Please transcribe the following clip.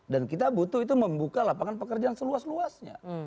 dan kita butuh itu membuka lapangan pekerjaan seluas luasnya